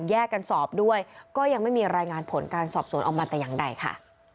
แยกกันสอบด้วยก็ยังไม่มีรายงานผลการสอบสวนออกมาแต่อย่างใดค่ะ